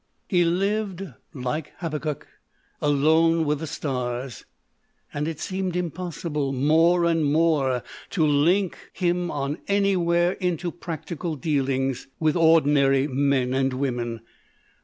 He lived, like Teufelsdrockh, " alone with the stars/' and it seemed impossible, more and more, to link him on anywhere into practical dealings with ordi nary men and women.